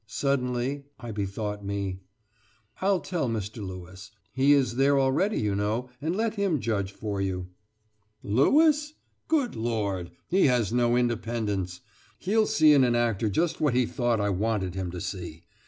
Suddenly I bethought me. "I'11 tell Mr. Lewis. He is there already you know, and let him judge for you." "Lewis? Good Lord! He has no independence! He'd see in an actor just what he thought I wanted him to see!